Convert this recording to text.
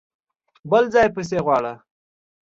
بل ځای يې پسې غواړه!